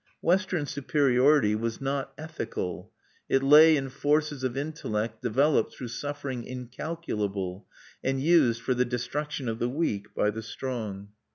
Western superiority was not ethical. It lay in forces of intellect developed through suffering incalculable, and used for the destruction of the weak by the strong.